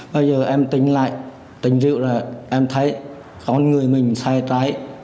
bây giờ em tỉnh lại tỉnh rượu là em thấy con người mình sai trái